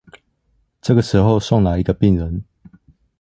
這個時候送來一個病人